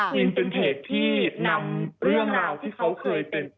วินเป็นเพจที่นำเรื่องราวที่เขาเคยเป็น